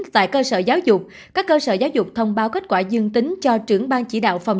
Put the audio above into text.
tại cơ sở giáo dục các cơ sở giáo dục thông báo kết quả dương tính cho trưởng bang chỉ đạo phòng